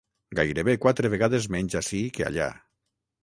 Gairebé quatre vegades menys ací que allà.